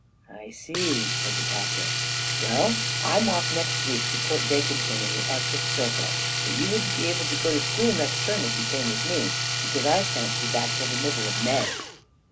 "I see," said the Captain. "Well, I'm off next week to Port Jacobson in the Arctic Circle. But you wouldn't be able to go to school next term if you came with me, because I shan't be back till the middle of May."